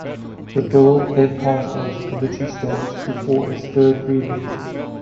The Bill then passed on to Committee Stage before its third reading.